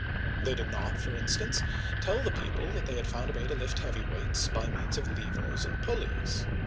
They did not, for instance, tell the people that they had found a way to lift heavy weights by means of levers and pulleys.